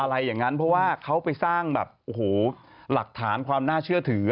อะไรอย่างนั้นเพราะว่าเขาไปสร้างแบบโอ้โหหลักฐานความน่าเชื่อถือ